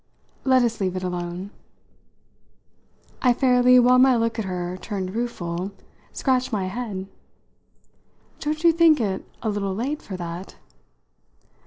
"Let us leave it alone." I fairly, while my look at her turned rueful, scratched my head. "Don't you think it a little late for that?"